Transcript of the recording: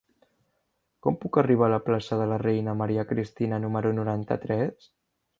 Com puc arribar a la plaça de la Reina Maria Cristina número noranta-tres?